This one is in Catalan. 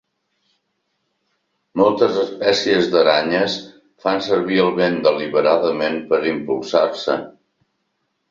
Moltes espècies d'aranyes fan servir el vent deliberadament per impulsar-se.